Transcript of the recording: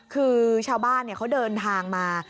คือชาวบ้านเขาเดินทางมา